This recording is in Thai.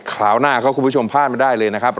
คราวหน้าครับคุณผู้ชมพลาดมาได้เลยนะครับ